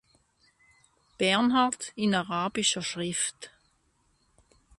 Bernhard in arabischer Schrift.